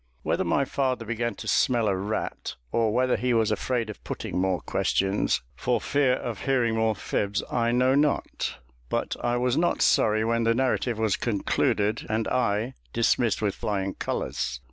Whether my father began to smell a rat, or whether he was afraid of putting more questions, for fear of hearing more fibs, I know not, but I was not sorry when the narrative was concluded, and I dismissed with flying colours.